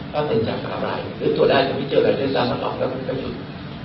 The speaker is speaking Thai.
ถ้าเป็นจากคำถามอะไรหรือตรวจได้แต่ไม่เจออะไรเลยสาสมครอบขาวแล้วก็ยิ่ง